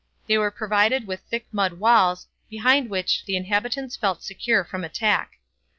They were provided with thick mud walls, behind which the inhabitants felt secure from attack.